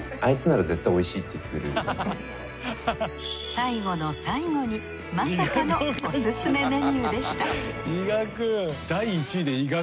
最後の最後にまさかのおすすめメニューでした伊賀くん！